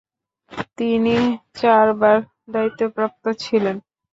তিনি চারবার দায়িত্বপ্রাপ্ত ছিলেন।